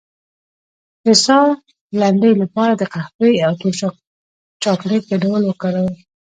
د ساه لنډۍ لپاره د قهوې او تور چاکلیټ ګډول وکاروئ